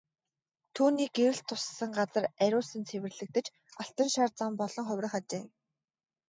Түүний гэрэл туссан газар ариусан цэвэрлэгдэж алтан шар зам болон хувирах ажээ.